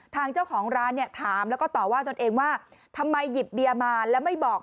ทางเจ้าของร้านเนี่ยถามแล้วก็ต่อว่าตนเองว่าทำไมหยิบเบียร์มาแล้วไม่บอก